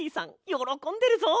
よろこんでるぞ。